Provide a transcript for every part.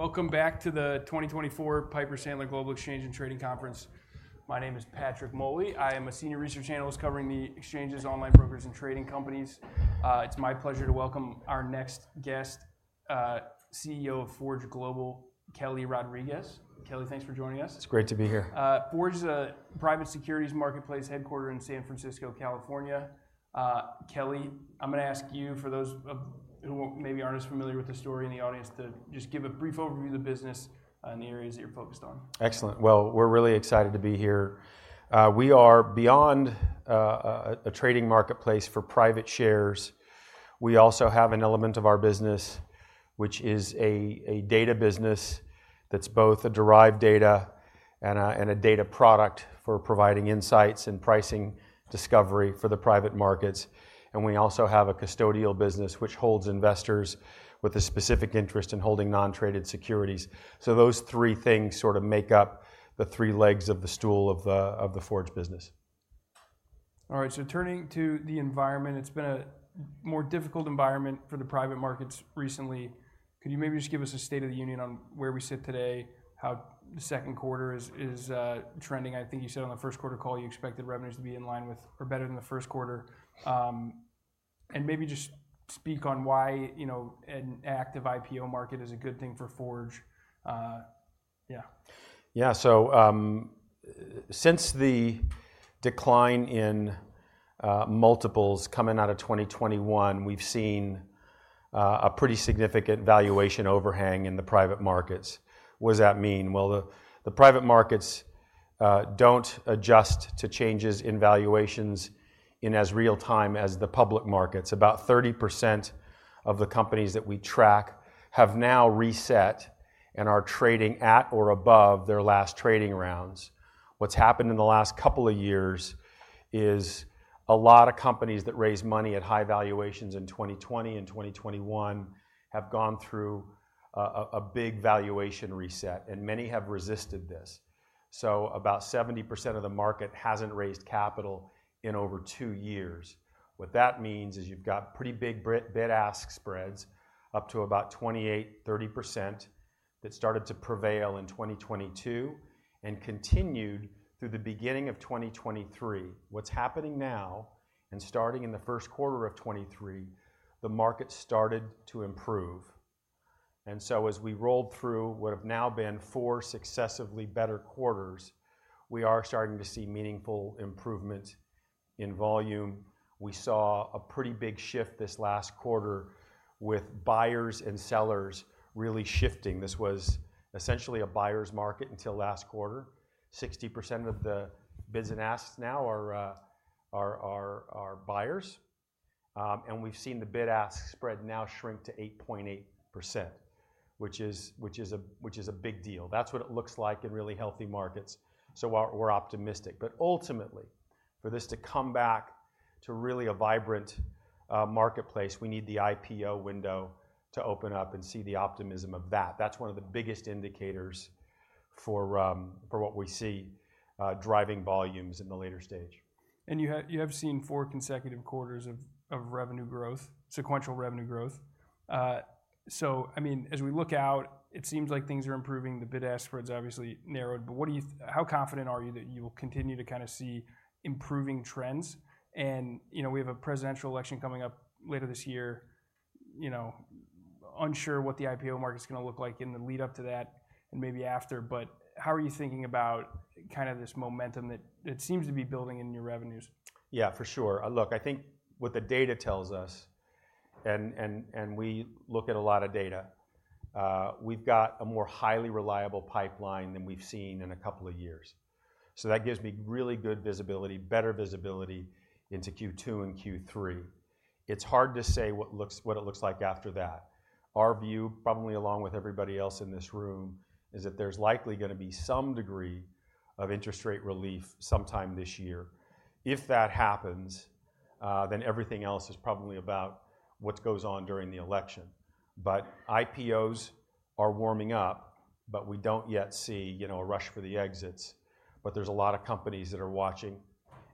Welcome back to the 2024 Piper Sandler Global Exchange and Trading Conference. My name is Patrick Moley. I am a senior research analyst covering the exchanges, online brokers, and trading companies. It's my pleasure to welcome our next guest, CEO of Forge Global, Kelly Rodriques. Kelly, thanks for joining us. It's great to be here. Forge is a private securities marketplace headquartered in San Francisco, California. Kelly, I'm gonna ask you, for those of who maybe aren't as familiar with the story in the audience, to just give a brief overview of the business and the areas that you're focused on. Excellent. Well, we're really excited to be here. We are beyond a trading marketplace for private shares. We also have an element of our business, which is a data business that's both a derived data and a data product for providing insights and pricing discovery for the private markets. And we also have a custodial business, which holds investors with a specific interest in holding non-traded securities. So those three things sort of make up the three legs of the stool of the Forge business. All right, so turning to the environment, it's been a more difficult environment for the private markets recently. Could you maybe just give us a state of the union on where we sit today, how the second quarter is trending? I think you said on the first quarter call you expected revenues to be in line with or better than the first quarter. And maybe just speak on why, you know, an active IPO market is a good thing for Forge. Yeah. Yeah, so, since the decline in multiples coming out of 2021, we've seen a pretty significant valuation overhang in the private markets. What does that mean? Well, the private markets don't adjust to changes in valuations in as real time as the public markets. About 30% of the companies that we track have now reset and are trading at or above their last trading rounds. What's happened in the last couple of years is a lot of companies that raised money at high valuations in 2020 and 2021 have gone through a big valuation reset, and many have resisted this. So about 70% of the market hasn't raised capital in over two years. What that means is you've got pretty big bid-ask spreads, up to about 28%-30%, that started to prevail in 2022 and continued through the beginning of 2023. What's happening now, and starting in the first quarter of 2023, the market started to improve. So as we rolled through what have now been 4 successively better quarters, we are starting to see meaningful improvement in volume. We saw a pretty big shift this last quarter with buyers and sellers really shifting. This was essentially a buyer's market until last quarter. 60% of the bids and asks now are buyers. And we've seen the bid-ask spread now shrink to 8.8%, which is a big deal. That's what it looks like in really healthy markets, so we're optimistic. But ultimately, for this to come back to really a vibrant marketplace, we need the IPO window to open up and see the optimism of that. That's one of the biggest indicators for what we see driving volumes in the later stage. You have seen four consecutive quarters of revenue growth, sequential revenue growth. So I mean, as we look out, it seems like things are improving. The bid-ask spread's obviously narrowed, but how confident are you that you will continue to kinda see improving trends? And, you know, we have a presidential election coming up later this year. You know, unsure what the IPO market's gonna look like in the lead-up to that and maybe after, but how are you thinking about kind of this momentum that it seems to be building in your revenues? Yeah, for sure. Look, I think what the data tells us, and we look at a lot of data, we've got a more highly reliable pipeline than we've seen in a couple of years. So that gives me really good visibility, better visibility into Q2 and Q3. It's hard to say what it looks like after that. Our view, probably along with everybody else in this room, is that there's likely gonna be some degree of interest rate relief sometime this year. If that happens, then everything else is probably about what goes on during the election. But IPOs are warming up, but we don't yet see, you know, a rush for the exits. But there's a lot of companies that are watching,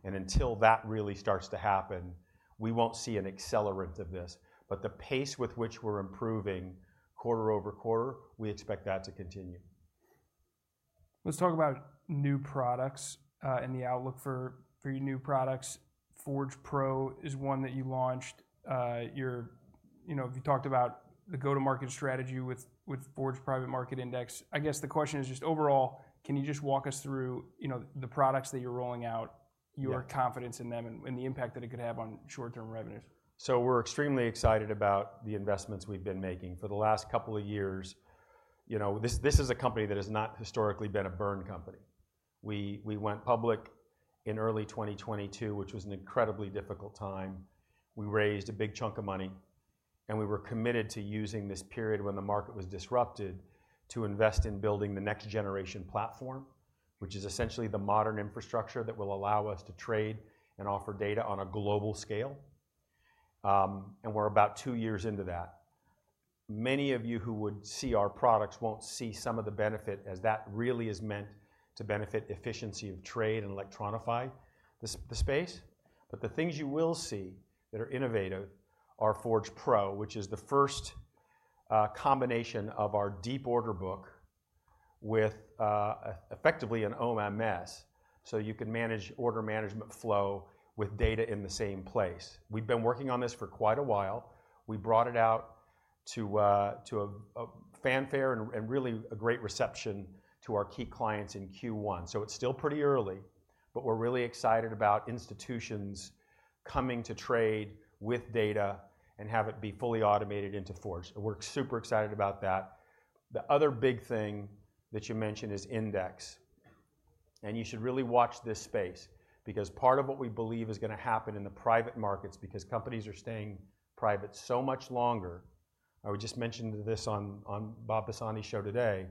and until that really starts to happen, we won't see an accelerant of this. The pace with which we're improving quarter-over-quarter, we expect that to continue. Let's talk about new products and the outlook for your new products. Forge Pro is one that you launched. You're, you know, you talked about the go-to-market strategy with Forge Private Market Index. I guess the question is, just overall, can you just walk us through, you know, the products that you're rolling out- Yeah... your confidence in them, and the impact that it could have on short-term revenues? So we're extremely excited about the investments we've been making. For the last couple of years, you know, this, this is a company that has not historically been a burn company. We, we went public in early 2022, which was an incredibly difficult time. We raised a big chunk of money, and we were committed to using this period when the market was disrupted to invest in building the next-generation platform, which is essentially the modern infrastructure that will allow us to trade and offer data on a global scale. And we're about two years into that. Many of you who would see our products won't see some of the benefit, as that really is meant to benefit efficiency of trade and electronify the space... But the things you will see that are innovative are Forge Pro, which is the first combination of our deep order book with effectively an OEMS, so you can manage order management flow with data in the same place. We've been working on this for quite a while. We brought it out to a fanfare and really a great reception to our key clients in Q1. So it's still pretty early, but we're really excited about institutions coming to trade with data and have it be fully automated into Forge. We're super excited about that. The other big thing that you mentioned is index, and you should really watch this space, because part of what we believe is gonna happen in the private markets, because companies are staying private so much longer. I would just mention this on Bob Pisani's show today.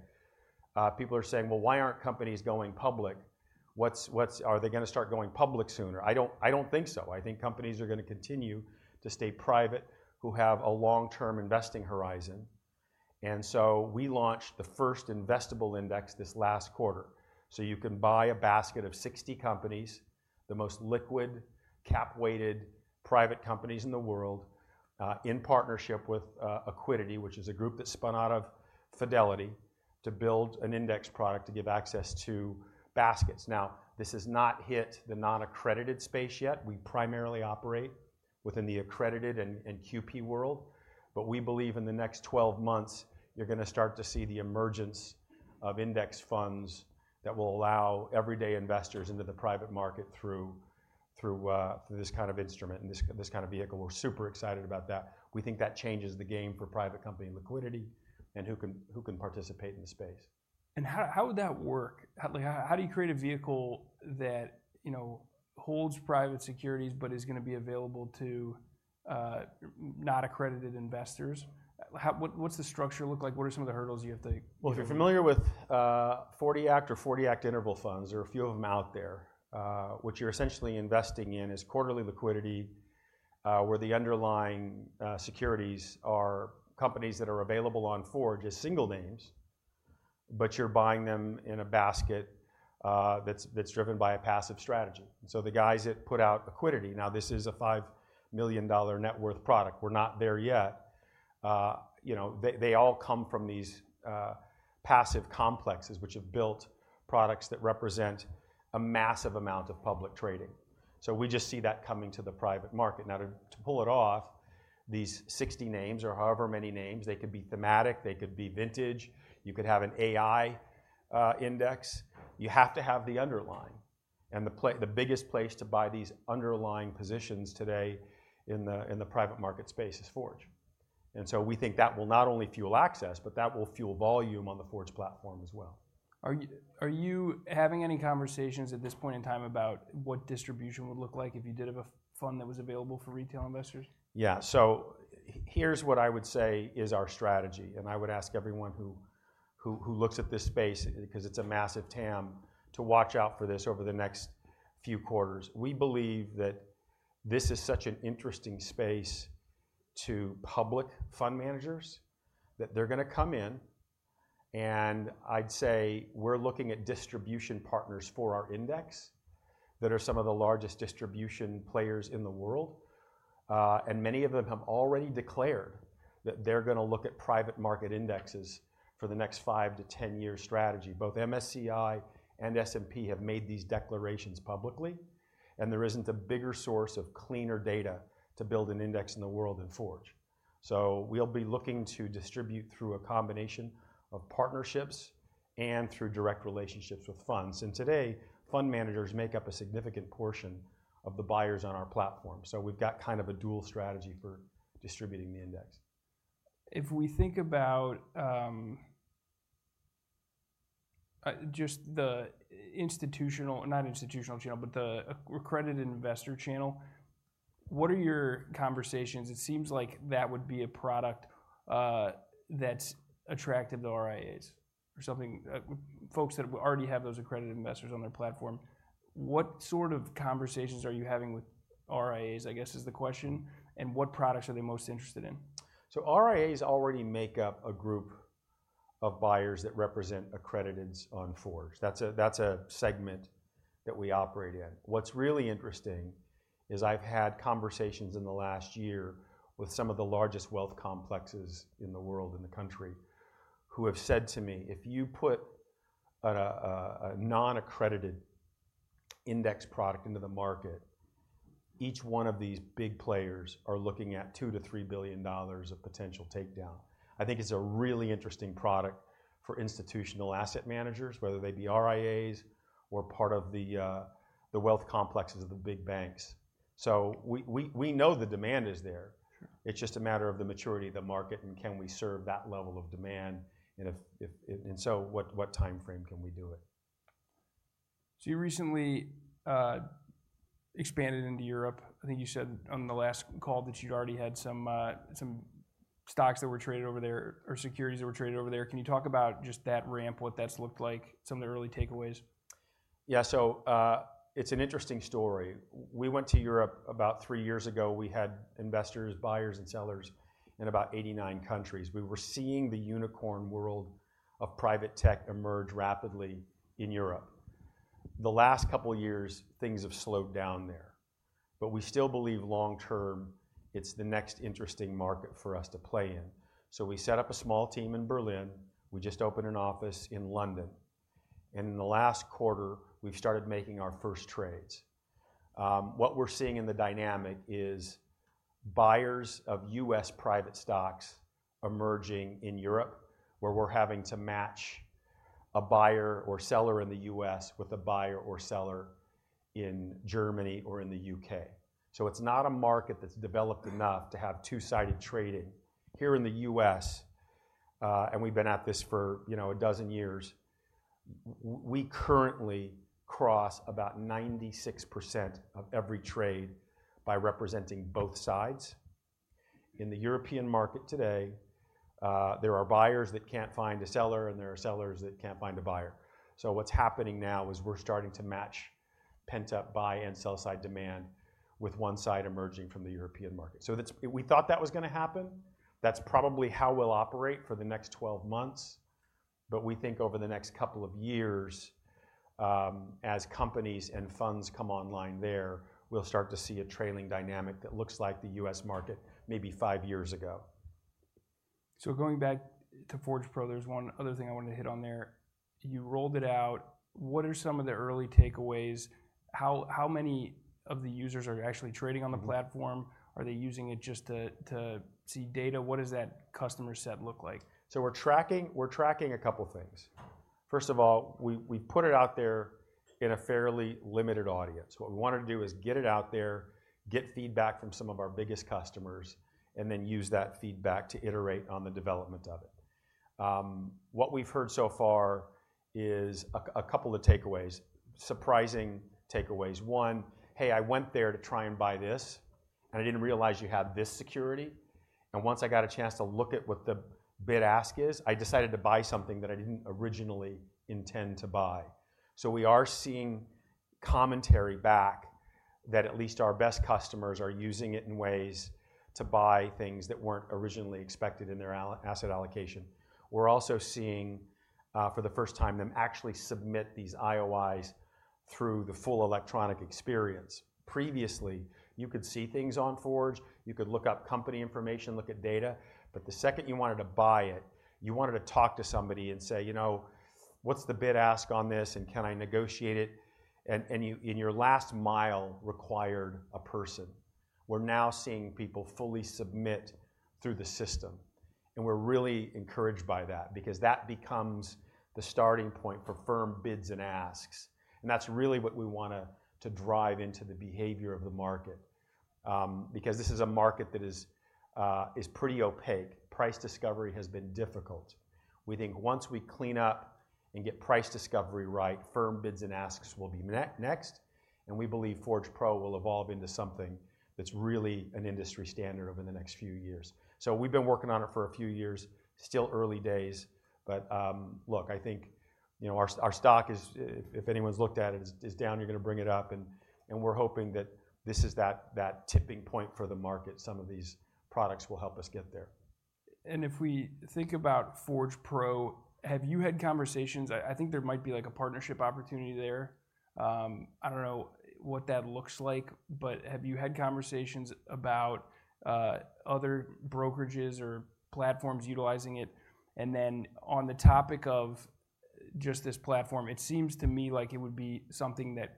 People are saying, "Well, why aren't companies going public? What's - are they gonna start going public sooner?" I don't think so. I think companies are gonna continue to stay private, who have a long-term investing horizon. So we launched the first investable index this last quarter. You can buy a basket of 60 companies, the most liquid, cap-weighted private companies in the world, in partnership with Accuidity, which is a group that spun out of Fidelity, to build an index product to give access to baskets. Now, this has not hit the non-accredited space yet. We primarily operate within the accredited and QP world. But we believe in the next 12 months, you're gonna start to see the emergence of index funds that will allow everyday investors into the private market through this kind of instrument and this kind of vehicle. We're super excited about that. We think that changes the game for private company liquidity and who can participate in the space. And how would that work? Like, how do you create a vehicle that, you know, holds private securities, but is gonna be available to not accredited investors? What’s the structure look like? What are some of the hurdles you have to- Well, if you're familiar with '40 Act or '40 Act interval funds, there are a few of them out there. What you're essentially investing in is quarterly liquidity, where the underlying securities are companies that are available on Forge as single names, but you're buying them in a basket that's driven by a passive strategy. So the guys that put out Accuidity, now this is a $5 million net worth product. We're not there yet. You know, they all come from these passive complexes, which have built products that represent a massive amount of public trading. So we just see that coming to the private market. Now, to pull it off, these 60 names or however many names, they could be thematic, they could be vintage, you could have an AI index, you have to have the underlying. And the biggest place to buy these underlying positions today in the private market space is Forge. And so we think that will not only fuel access, but that will fuel volume on the Forge platform as well. Are you having any conversations at this point in time about what distribution would look like if you did have a fund that was available for retail investors? Yeah. So here's what I would say is our strategy, and I would ask everyone who looks at this space, because it's a massive TAM, to watch out for this over the next few quarters. We believe that this is such an interesting space to public fund managers, that they're gonna come in, and I'd say we're looking at distribution partners for our index that are some of the largest distribution players in the world. And many of them have already declared that they're gonna look at private market indexes for the next 5-10-year strategy. Both MSCI and S&P have made these declarations publicly, and there isn't a bigger source of cleaner data to build an index in the world than Forge. So we'll be looking to distribute through a combination of partnerships and through direct relationships with funds. Today, fund managers make up a significant portion of the buyers on our platform, so we've got kind of a dual strategy for distributing the index. If we think about just the institutional, not institutional channel, but the accredited investor channel, what are your conversations? It seems like that would be a product that's attractive to RIAs or something, folks that already have those accredited investors on their platform. What sort of conversations are you having with RIAs, I guess is the question, and what products are they most interested in? So RIAs already make up a group of buyers that represent accrediteds on Forge. That's a segment that we operate in. What's really interesting is I've had conversations in the last year with some of the largest wealth complexes in the world, in the country, who have said to me, "If you put a non-accredited index product into the market," each one of these big players are looking at $2 billion-$3 billion of potential takedown. I think it's a really interesting product for institutional asset managers, whether they be RIAs or part of the wealth complexes of the big banks. So we know the demand is there. Sure. It's just a matter of the maturity of the market, and can we serve that level of demand, and so what timeframe can we do it? So you recently expanded into Europe. I think you said on the last call that you'd already had some stocks that were traded over there, or securities that were traded over there. Can you talk about just that ramp, what that's looked like, some of the early takeaways? Yeah, so, it's an interesting story. We went to Europe about three years ago. We had investors, buyers, and sellers in about 89 countries. We were seeing the unicorn world of private tech emerge rapidly in Europe. The last couple years, things have slowed down there. But we still believe long term, it's the next interesting market for us to play in. So we set up a small team in Berlin. We just opened an office in London, and in the last quarter, we've started making our first trades. What we're seeing in the dynamic is buyers of U.S. private stocks emerging in Europe, where we're having to match a buyer or seller in the U.S. with a buyer or seller in Germany or in the U.K. So it's not a market that's developed enough to have two-sided trading. Here in the U.S., and we've been at this for, you know, 12 years, we currently cross about 96% of every trade by representing both sides. In the European market today, there are buyers that can't find a seller, and there are sellers that can't find a buyer. So what's happening now is we're starting to match pent-up buy and sell side demand with one side emerging from the European market. So that's-- we thought that was gonna happen. That's probably how we'll operate for the next 12 months, but we think over the next couple of years, as companies and funds come online there, we'll start to see a trailing dynamic that looks like the U.S. market maybe five years ago. So going back to Forge Pro, there's one other thing I wanted to hit on there. You rolled it out. What are some of the early takeaways? How many of the users are actually trading on the platform? Mm-hmm. Are they using it just to see data? What does that customer set look like? So we're tracking, we're tracking a couple things. First of all, we, we put it out there in a fairly limited audience. What we wanted to do is get it out there, get feedback from some of our biggest customers, and then use that feedback to iterate on the development of it. What we've heard so far is a couple of takeaways, surprising takeaways. One, "Hey, I went there to try and buy this, and I didn't realize you had this security, and once I got a chance to look at what the bid-ask is, I decided to buy something that I didn't originally intend to buy." So we are seeing commentary back that at least our best customers are using it in ways to buy things that weren't originally expected in their asset allocation. We're also seeing, for the first time, them actually submit these IOIs through the full electronic experience. Previously, you could see things on Forge. You could look up company information, look at data, but the second you wanted to buy it, you wanted to talk to somebody and say, "You know, what's the bid-ask on this, and can I negotiate it?" And your last mile required a person. We're now seeing people fully submit through the system, and we're really encouraged by that because that becomes the starting point for firm bids and asks, and that's really what we want to drive into the behavior of the market. Because this is a market that is pretty opaque. Price discovery has been difficult. We think once we clean up and get price discovery right, firm bids and asks will be next, and we believe Forge Pro will evolve into something that's really an industry standard over the next few years. So we've been working on it for a few years, still early days, but, look, I think, you know, our stock is, if anyone's looked at it, is down, you're gonna bring it up, and we're hoping that this is that tipping point for the market. Some of these products will help us get there. And if we think about Forge Pro, have you had conversations... I think there might be, like, a partnership opportunity there. I don't know what that looks like, but have you had conversations about other brokerages or platforms utilizing it? And then on the topic of just this platform, it seems to me like it would be something that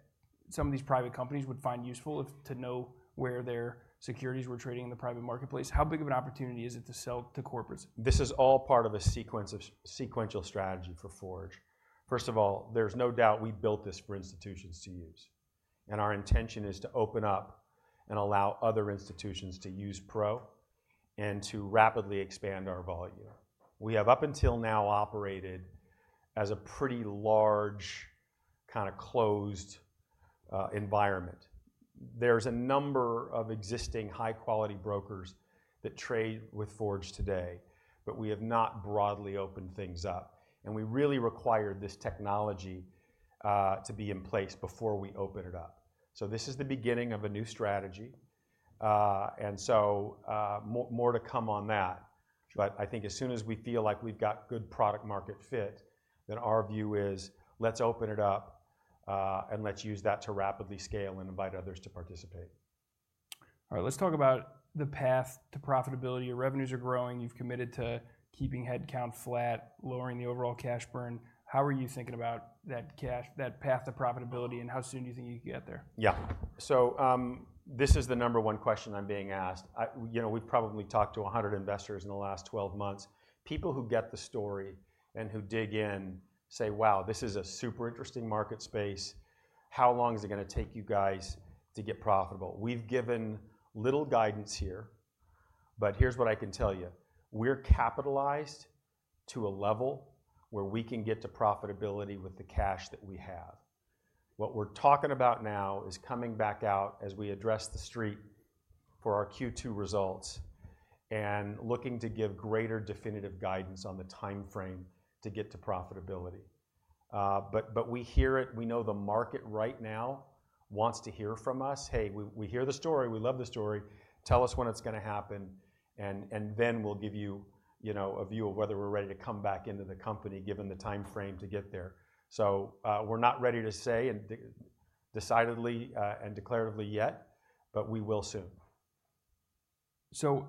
some of these private companies would find useful to know where their securities were trading in the private marketplace. How big of an opportunity is it to sell to corporates? This is all part of a sequence of sequential strategy for Forge. First of all, there's no doubt we built this for institutions to use, and our intention is to open up and allow other institutions to use Pro and to rapidly expand our volume. We have, up until now, operated as a pretty large, kinda closed environment. There's a number of existing high-quality brokers that trade with Forge today, but we have not broadly opened things up, and we really require this technology to be in place before we open it up. So this is the beginning of a new strategy. And so, more, more to come on that. Sure. But I think as soon as we feel like we've got good product-market fit, then our view is, let's open it up, and let's use that to rapidly scale and invite others to participate. All right, let's talk about the path to profitability. Your revenues are growing. You've committed to keeping headcount flat, lowering the overall cash burn. How are you thinking about that cash, that path to profitability, and how soon do you think you can get there? Yeah. So, this is the number one question I'm being asked. You know, we've probably talked to 100 investors in the last 12 months. People who get the story and who dig in say, "Wow, this is a super interesting market space. How long is it gonna take you guys to get profitable?" We've given little guidance here, but here's what I can tell you: We're capitalized to a level where we can get to profitability with the cash that we have. What we're talking about now is coming back out as we address the Street for our Q2 results and looking to give greater definitive guidance on the timeframe to get to profitability. But we hear it. We know the market right now wants to hear from us. "Hey, we hear the story. We love the story. Tell us when it's gonna happen, and then we'll give you, you know, a view of whether we're ready to come back into the company, given the timeframe to get there." So, we're not ready to say and decidedly and declaratively yet, but we will soon.... So,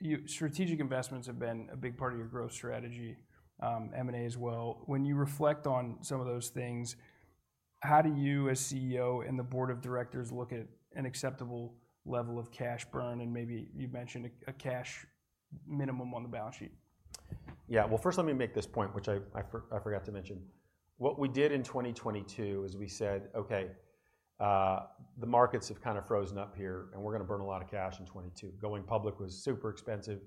your strategic investments have been a big part of your growth strategy, M&A as well. When you reflect on some of those things, how do you as CEO and the board of directors look at an acceptable level of cash burn? And maybe you mentioned a cash minimum on the balance sheet. Yeah. Well, first let me make this point, which I forgot to mention. What we did in 2022 is we said, "Okay, the markets have kind of frozen up here, and we're gonna burn a lot of cash in 2022." Going public was super expensive,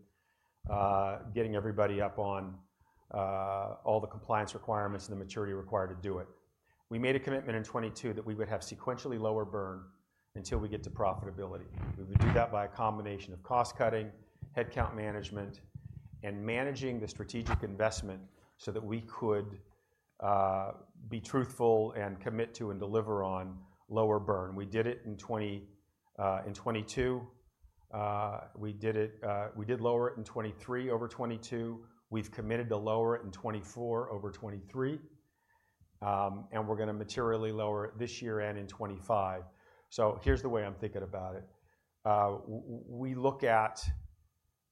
getting everybody up on all the compliance requirements and the maturity required to do it. We made a commitment in 2022 that we would have sequentially lower burn until we get to profitability. We would do that by a combination of cost cutting, headcount management, and managing the strategic investment so that we could be truthful and commit to and deliver on lower burn. We did it in 2022. We did lower it in 2023 over 2022. We've committed to lower it in 2024 over 2023, and we're gonna materially lower it this year and in 2025. So here's the way I'm thinking about it. We look at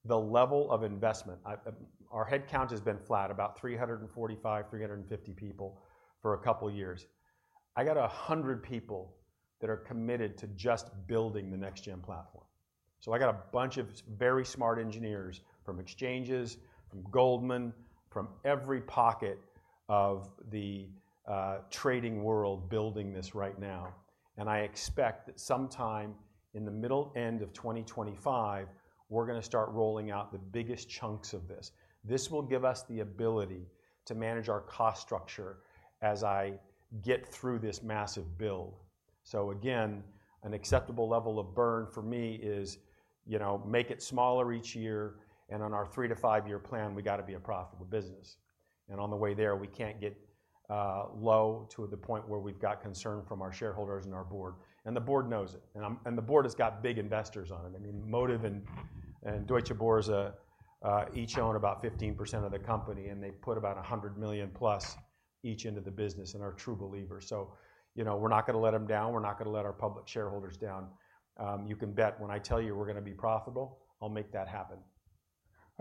the level of investment. I, our head count has been flat, about 345-350 people for a couple years. I got 100 people that are committed to just building the next-gen platform. So I got a bunch of very smart engineers from exchanges, from Goldman, from every pocket of the trading world, building this right now, and I expect that sometime in the middle end of 2025, we're gonna start rolling out the biggest chunks of this. This will give us the ability to manage our cost structure as I get through this massive build. So again, an acceptable level of burn for me is, you know, make it smaller each year, and on our 3-5-year plan, we gotta be a profitable business. And on the way there, we can't get low to the point where we've got concern from our shareholders and our board. And the board knows it, and the board has got big investors on it. I mean, Motive and Deutsche Börse each own about 15% of the company, and they've put about $100 million+ each into the business and are true believers. So, you know, we're not gonna let them down. We're not gonna let our public shareholders down. You can bet when I tell you we're gonna be profitable, I'll make that happen.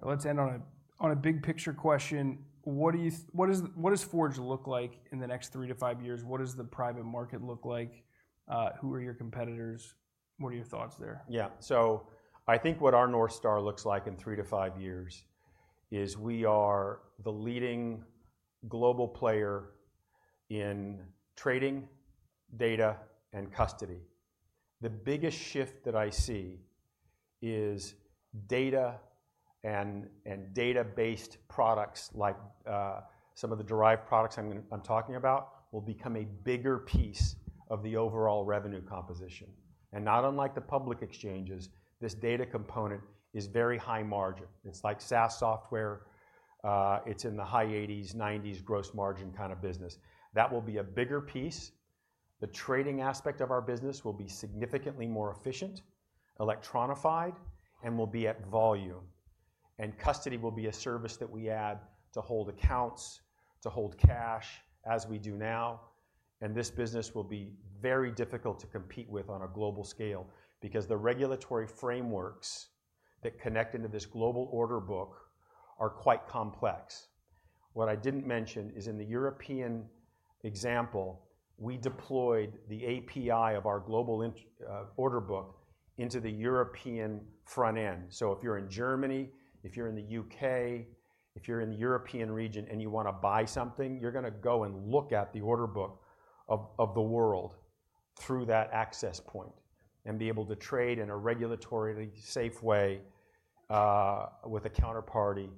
Let's end on a big-picture question. What does Forge look like in the next three-to-five years? What does the private market look like? Who are your competitors? What are your thoughts there? Yeah. So I think what our North Star looks like in 3-5 years is we are the leading global player in trading, data, and custody. The biggest shift that I see is data and data-based products like some of the derived products I'm talking about will become a bigger piece of the overall revenue composition. And not unlike the public exchanges, this data component is very high margin. It's like SaaS software. It's in the high 80s-90s% gross margin kind of business. That will be a bigger piece. The trading aspect of our business will be significantly more efficient, electronified, and will be at volume. Custody will be a service that we add to hold accounts, to hold cash, as we do now, and this business will be very difficult to compete with on a global scale, because the regulatory frameworks that connect into this global order book are quite complex. What I didn't mention is in the European example, we deployed the API of our global integrated order book into the European front end. So if you're in Germany, if you're in the U.K., if you're in the European region and you wanna buy something, you're gonna go and look at the order book of the world through that access point and be able to trade in a regulatorily safe way with a counterparty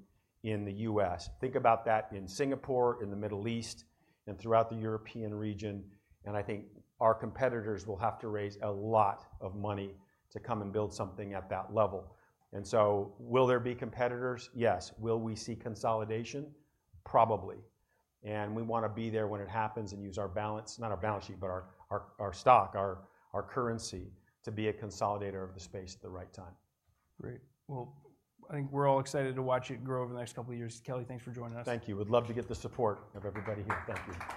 in the U.S. Think about that in Singapore, in the Middle East, and throughout the European region, and I think our competitors will have to raise a lot of money to come and build something at that level. And so will there be competitors? Yes. Will we see consolidation? Probably, and we wanna be there when it happens and use our balance, not our balance sheet, but our stock, our currency, to be a consolidator of the space at the right time. Great. Well, I think we're all excited to watch it grow over the next couple of years. Kelly, thanks for joining us. Thank you. We'd love to get the support of everybody here. Thank you.